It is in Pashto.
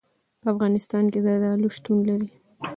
په افغانستان کې زردالو شتون لري.